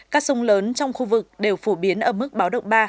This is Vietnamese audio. các sông lớn trong khu vực đều phổ biến ở mức báo động ba